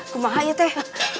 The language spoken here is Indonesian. kumah aja teh